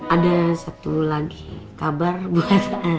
ada satu lagi kabar buat